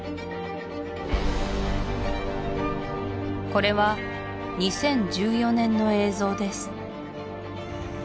これは２０１４年の映像です